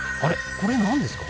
これなんですか？